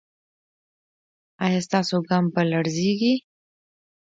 ایا ستاسو ګام به لړزیږي؟